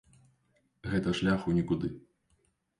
Гэта шлях у нікуды.